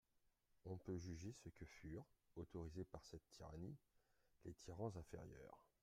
On peut juger de ce que furent (autorisés par cette tyrannie) les tyrans inférieurs.